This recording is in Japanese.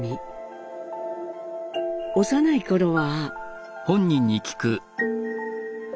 幼い頃は。